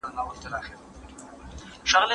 پوهان وايي چې ټولنپوهنه پر څو برخو وېشل سوې ده.